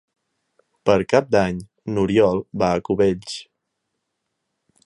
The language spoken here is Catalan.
Per Cap d'Any n'Oriol va a Cubells.